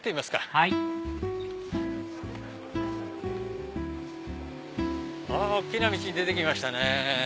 はい大きな道に出て来ましたね。